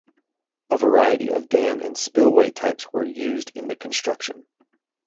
A variety of dam and spillway types were used in the construction.